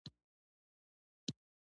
ویده ماشوم ته شپه ارامه وي